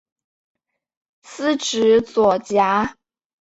司职左闸。